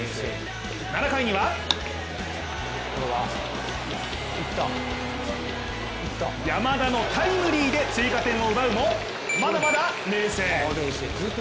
７回には山田のタイムリーで追加点を奪うもまだまだ冷静。